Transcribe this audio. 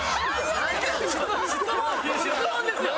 質問質問ですよ！